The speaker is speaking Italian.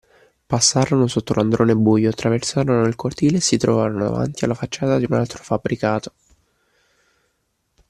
Passarono sotto l'androne buio, traversarono il cortile e si trovarono davanti alla facciata di un altro fabbricato.